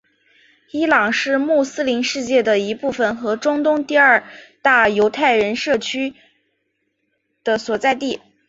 伊朗是穆斯林世界的一部分和中东第二大犹太人社群的所在地。